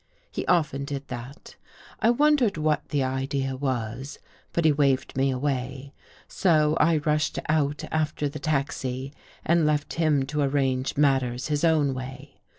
He often did that. I wondered what the idea was, but he waved me away, so I rushed out after the taxi and left him to arrange matters his own way.